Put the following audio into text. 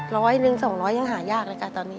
ร้อยหนึ่งสองร้อยยังหายากเลยค่ะตอนนี้